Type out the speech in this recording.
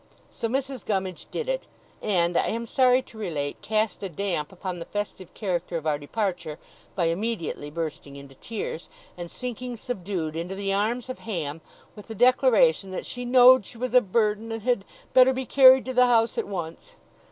So Mrs. Gummidge did it; and, I am sorry to relate, cast a damp upon the festive character of our departure, by immediately bursting into tears, and sinking subdued into the arms of Ham, with the declaration that she knowed she was a burden, and had better be carried to the House at once.